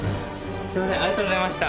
すみませんありがとうございました。